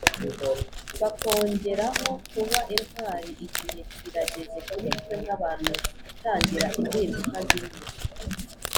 bakongeraho kuba intwariigihe kirageze kuri twe nkabantu gutangira 'impinduka zimwe